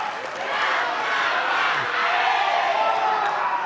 tidak tidak tidak